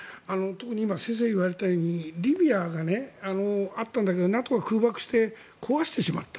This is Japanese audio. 特に今先生が言われたようにリビアがあったんだけどＮＡＴＯが空爆して壊してしまった。